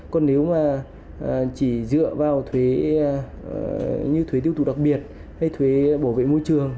còn nếu mà chỉ dựa vào thuế như thuế tiêu thụ đặc biệt hay thuế bảo vệ môi trường